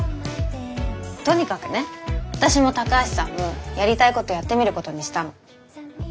とにかくね私も高橋さんもやりたいことやってみることにしたの。